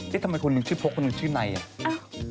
เฮ้ยทำไมคนหนึ่งชื่อโภคคนหนึ่งชื่อไนอ่ะ